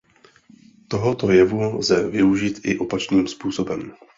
Tohoto jevu lze využít i opačným způsobem.